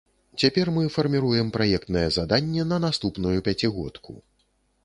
Цяпер мы фарміруем праектнае заданне на наступную пяцігодку.